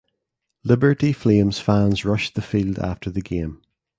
Liberty Flames fans rushed the field after the game.